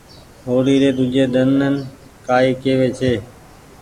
هوڙي ري ۮوجي ۮنين ڪآئي ڪيوي ڇي